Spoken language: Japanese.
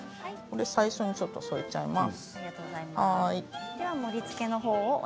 最初に添えちゃいます。